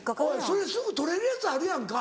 それすぐ取れるやつあるやんか。